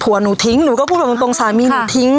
หนูทิ้งหนูก็พูดแบบตรงสามีหนูทิ้ง